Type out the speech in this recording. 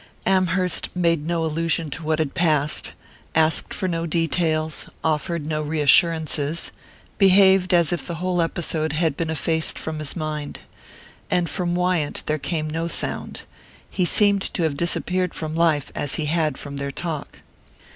Amherst made no allusion to what had passed, asked for no details, offered no reassurances behaved as if the whole episode had been effaced from his mind. And from Wyant there came no sound: he seemed to have disappeared from life as he had from their talk.